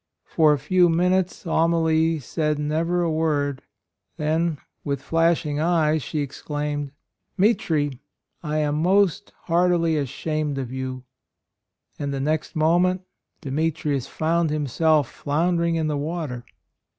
For a few minutes Amalie said never a word; then, with flashing eyes, she exclaimed, " Mitri, I am most heartily ashamed of you !" and the next moment Demetrius found himself floundering in the water.